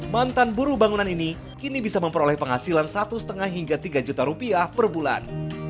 mantan buru bangunan ini kini bisa memperoleh penghasilan satu lima hingga tiga juta rupiah per bulan